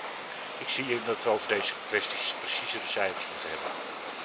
Ik zie in dat we over deze kwesties preciezere cijfers moeten hebben.